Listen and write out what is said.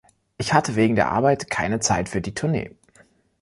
Ich hatte wegen der Arbeit keine Zeit für die Tournee.